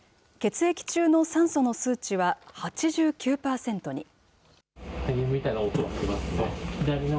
血液中の酸素の数値は８９％に。